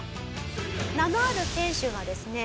名のある選手がですね